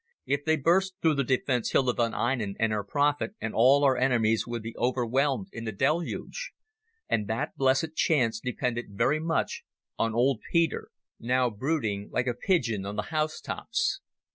If they burst through the defence Hilda von Einem and her prophet and all our enemies would be overwhelmed in the deluge. And that blessed chance depended very much on old Peter, now brooding like a pigeon on the house tops.